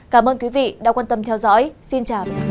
cảm ơn quý vị đã quan tâm theo dõi xin chào và hẹn gặp lại